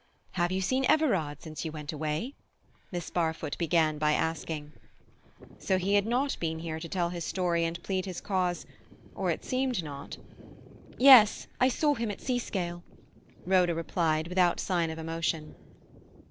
"Have you seen Everard since you went away?" Miss Barfoot began by asking. So he had not been here to tell his story and plead his cause—or it seemed not. "Yes, I saw him at Seascale," Rhoda replied, without sign of emotion.